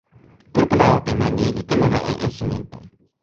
kulupu lawa pi ma ni li ken ala e esun unpa.